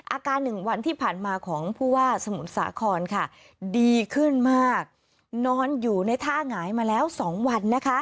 อาการหนึ่งวันที่ผ่านมาของผู้ว่าสมุทรสาครค่ะดีขึ้นมากนอนอยู่ในท่าหงายมาแล้ว๒วันนะคะ